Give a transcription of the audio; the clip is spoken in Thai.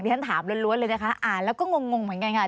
ฉันถามล้วนเลยนะคะอ่านแล้วก็งงเหมือนกันค่ะ